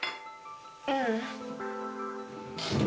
ううん。